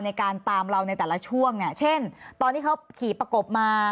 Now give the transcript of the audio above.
ในการตามเราในแต่ละช่วงเนี่ยเช่นตอนที่เขาขี่ประกบมา